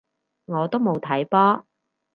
我都冇睇波